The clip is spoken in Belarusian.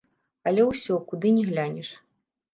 Але ўсё, куды ні глянеш.